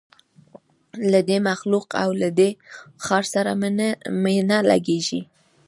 له دې مخلوق او له دې ښار سره مي نه لګیږي